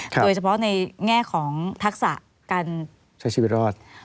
โดยเฉพาะในแง่ของทักษะการใช้ชีวิตรอด